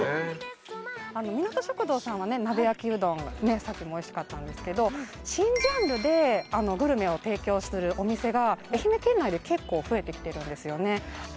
さっきもおいしかったんですけど新ジャンルでグルメを提供するお店が愛媛県内で結構増えてきてるんですよね。